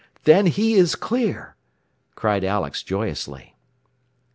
Then he is clear!" cried Alex joyously.